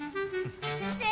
先生！